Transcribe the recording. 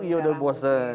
iya udah bosen